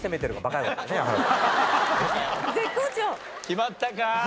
決まったか？